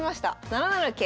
７七桂。